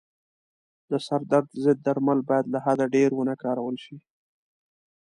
د سردرد ضد درمل باید له حده ډېر و نه کارول شي.